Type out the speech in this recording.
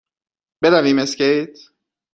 برویم اسکیت؟